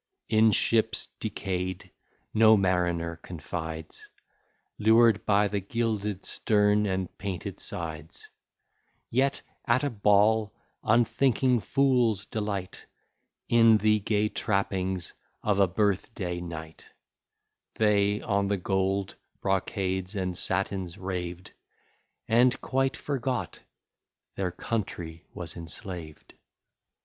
In ships decay'd no mariner confides, Lured by the gilded stern and painted sides: Yet at a ball unthinking fools delight In the gay trappings of a birth day night: They on the gold brocades and satins raved, And quite forgot their country was enslaved.